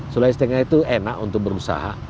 sulai setengah itu enak untuk berusaha